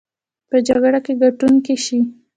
په جګړه کې ګټونکي شي.